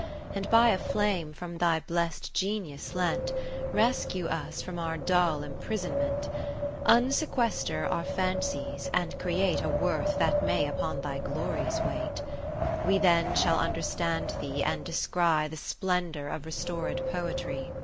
And by a flame from thy blest Genius lent. Rescue us from our dull imprison ment, Unsequester our Fancies, and create A worth that may upon thy glories wait : 10 We then shall understand thee, and descry The splendour of restored Poetry.